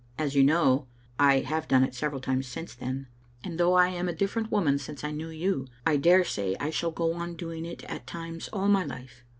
As you know, I have done it several times since then ; and though I am a different woman since I knew you, I dare say I shall go on doing it at times all my life.